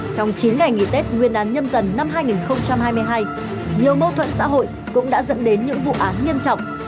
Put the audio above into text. trong chín ngày nghỉ tết nguyên đán nhâm dần năm hai nghìn hai mươi hai nhiều mâu thuẫn xã hội cũng đã dẫn đến những vụ án nghiêm trọng